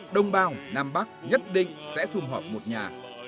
đồng bào nam bắc nhất định sẽ xung hợp một nhà